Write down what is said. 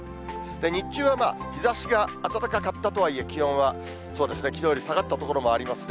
日中は日ざしが暖かかったとはいえ、気温は、そうですね、きのうより下がった所もありますね。